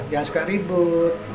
jangan suka ribut